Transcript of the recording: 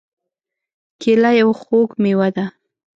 کېله یو خوږ مېوه ده.